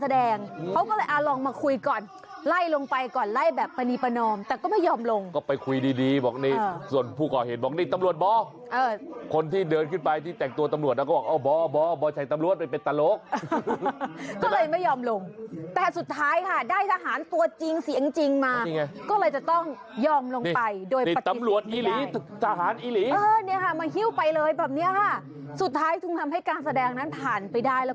เดี๋ยวกลับมาตามต่อกันแบบชัดได้